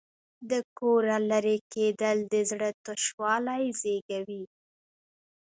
د کوره لرې کېدل د زړه تشوالی زېږوي.